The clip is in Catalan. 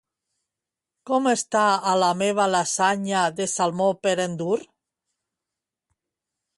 Com està a la meva lasanya de salmó per endur?